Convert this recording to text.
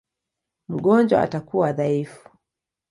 Mgonjwa atakuwa dhaifu.